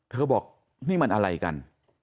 บอกนี่มันอะไรกัน